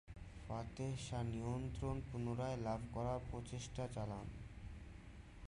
Fatih Shah নিয়ন্ত্রণ পুনরায় লাভ করার প্রচেষ্টা চালান।